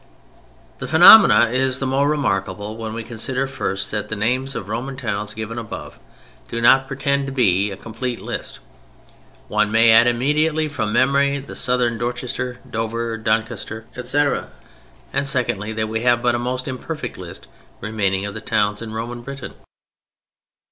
The phenomenon is the more remarkable when we consider first that the names of Roman towns given above do not pretend to be a complete list (one may add immediately from memory the southern Dorchester, Dover, Doncaster, etc.), and, secondly, that we have but a most imperfect list remaining of the towns in Roman Britain.